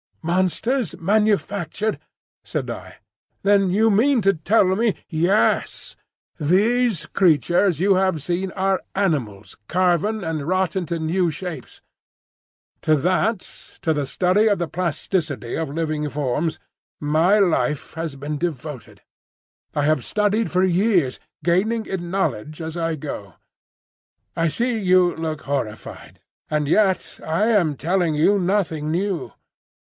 "Monsters manufactured!" said I. "Then you mean to tell me—" "Yes. These creatures you have seen are animals carven and wrought into new shapes. To that, to the study of the plasticity of living forms, my life has been devoted. I have studied for years, gaining in knowledge as I go. I see you look horrified, and yet I am telling you nothing new.